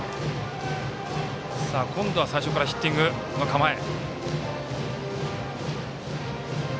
今度は最初からヒッティングの構え。